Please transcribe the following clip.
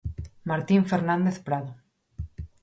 Martín Fernández Prado.